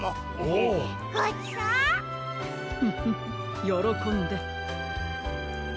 フフフよろこんで。